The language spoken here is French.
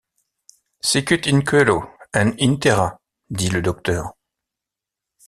Sicut in cœlo, et in terra, dit le docteur.